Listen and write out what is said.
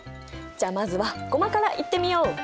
じゃあまずはゴマからいってみよう！